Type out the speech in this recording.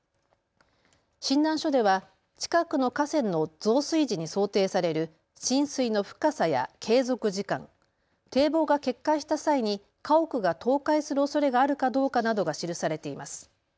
診断書では近くの河川の増水時に想定される浸水の深さや継続時間、堤防が決壊した際に家屋が倒壊するおそれがあるかどうかなどが記されています。